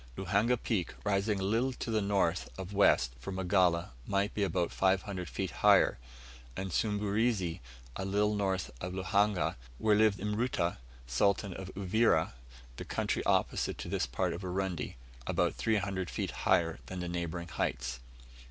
Luhanga Peak, rising a little to the north of west from Magala, might be about 500 feet higher; and Sumburizi, a little north of Luhanga, where lived Mruta, Sultan of Uvira, the country opposite to this part of Urundi, about 300 feet higher than the neighbouring heights.